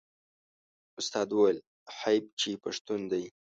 استاد وویل حیف چې پښتون دی.